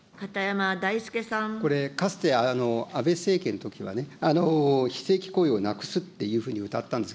これ、かつて安倍政権のときはね、非正規雇用をなくすっていうふうにうたったんです。